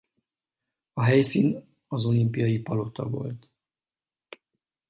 A helyszín a Olimpiai Palota volt.